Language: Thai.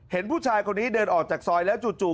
เห็นผู้ชายคนนี้เดินออกจากซอยแล้วจู่